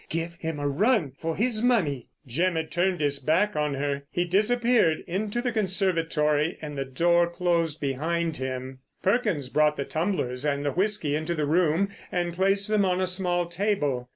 Give him a run—for his money." Jim had turned his back on her. He disappeared into the conservatory and the door closed behind him. Perkins brought the tumblers and the whisky into the room and placed them on a small table.